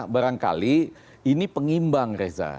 barangkali ini pengimbang reza